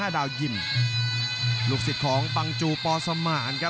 และอัพพิวัตรสอสมนึก